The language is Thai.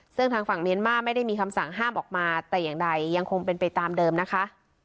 ซึ่งทางฝั่งเมียนมาร์ไม่ได้มีคำสั่งห้ามออกมาแต่อย่างใดยังคงเป็นไปตามเดิมนะคะ